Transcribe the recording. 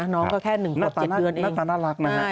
น้องก็แค่๑บาท๗เดือนเองน่าตาน่ารักนะฮะ